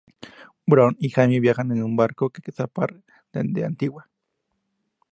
Bronn y Jaime viajan en un barco que zarpa de Antigua.